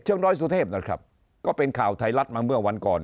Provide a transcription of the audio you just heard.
น้อยสุเทพนะครับก็เป็นข่าวไทยรัฐมาเมื่อวันก่อน